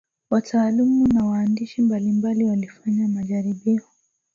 wataalamu na wahandisi mbalimbali walifanya majaribio